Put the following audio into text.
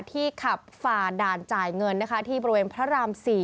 ที่ขับฝ่าด่านจ่ายเงินนะคะที่บริเวณพระราม๔